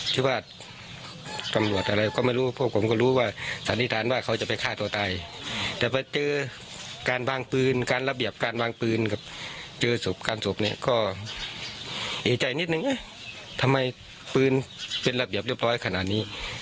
ทำไมปืนเป็นระเบียบเรียบร้อยขนาดนี้